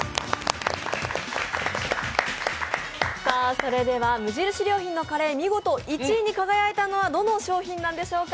それでは無印良品のカレー、見事１位に輝いたのはどの商品なんでしょうか？